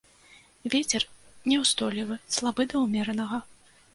Вецер няўстойлівы слабы да ўмеранага.